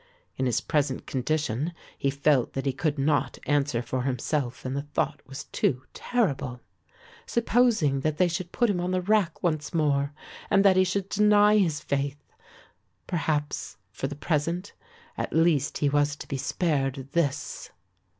In his present condition he felt that he could not answer for himself and the thought was too terrible. Supposing that they should put him on the rack once more and that he should deny his faith! Perhaps for the present at least he was to be spared this.